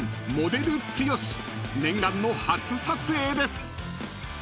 ［念願の初撮影です］